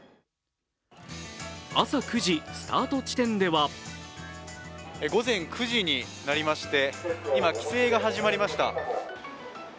朝９時、スタート地点では午前９時になりまして今、規制が始まりました。